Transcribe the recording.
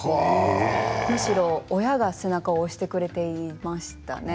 むしろ親が背中を押してくれていましたね。